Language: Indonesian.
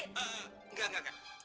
enggak enggak enggak